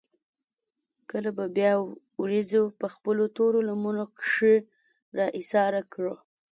کله به بيا وريځو پۀ خپلو تورو لمنو کښې را ايساره کړه ـ